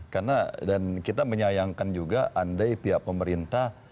karena dan kita menyayangkan juga andai pihak pemerintah